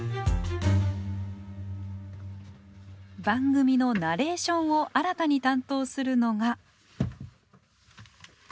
番組のナレーションを新たに担当するのが。